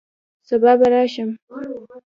سبا به راشم